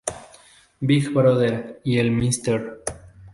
Big Brother" y el "Mr.